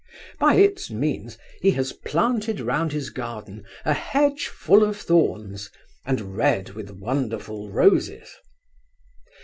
By its means he has planted round his garden a hedge full of thorns, and red with wonderful roses.